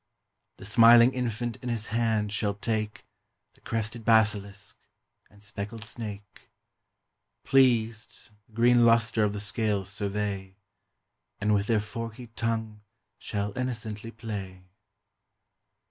The smiling infant in his hand shall take The crested basilisk and speckled snake, Pleased, the green lustre of the scales survey, And with their forky tongue shall innocently play.